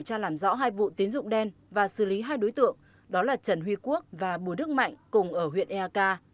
và làm rõ hai vụ tín dụng đen và xử lý hai đối tượng đó là trần huy quốc và bùa đức mạnh cùng ở huyện eak